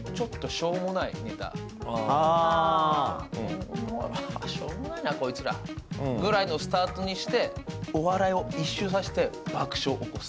しょうもないな、こいつらぐらいのスタートにして、お笑いを一周させて爆笑を起こす。